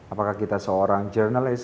apakah kita seorang journalist